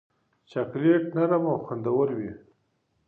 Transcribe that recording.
چاکلېټ نرم او خوندور وي.